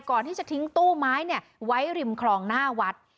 ก่อนที่จะทิ้งตู้ไม้ไว้ริมคลองหน้าวัด